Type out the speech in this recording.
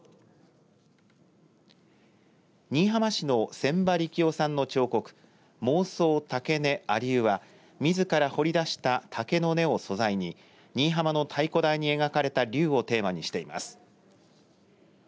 新居浜市の仙波力男さんの彫刻孟宗竹根阿龍はみずから掘り出した竹の根を素材に新居浜の太鼓台に描かれた竜をテーマにしています。